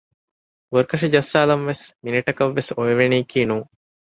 ބުރަކަށި ޖައްސާލަންވެސް މިނެޓަކަށް ވެސް އޮވެވެނީކީ ނޫން